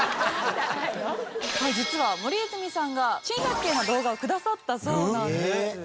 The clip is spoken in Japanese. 実は森泉さんが珍百景の動画をくださったそうなんです。